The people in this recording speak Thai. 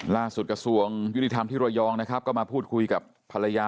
กระทรวงยุติธรรมที่ระยองนะครับก็มาพูดคุยกับภรรยา